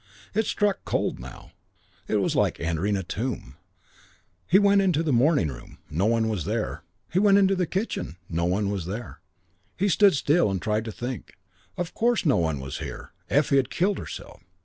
It struck cold now. It was like entering a tomb. He went into the morning room. No one was there. He went into the kitchen. No one was there. He stood still and tried to think. Of course no one was here. Effie had killed herself.